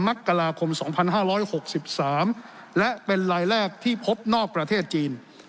มักกะลาคมสองพันห้าร้อยหกสิบสามและเป็นลายแรกที่พบนอกประเทศจีน